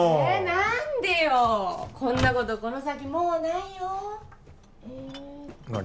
何でよこんなことこの先もうないよなあ